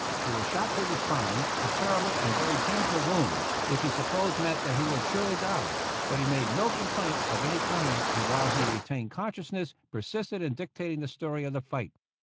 He was shot through the spine, a terrible and very painful wound, which we sup posed meant that he would surely die; but he made no complaint of any kind, and while he retained consciousness persisted in dictating the story of the fight.